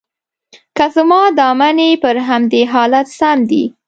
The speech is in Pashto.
که زما دا منې، پر همدې حالت سم دي.